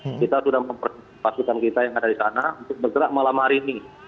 jadi kita sudah mempercepatkan kita yang ada di sana untuk bergerak malam hari ini